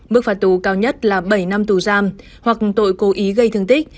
mức phạt tù cao nhất là bảy năm tù giam hoặc tội cố ý gây thương tích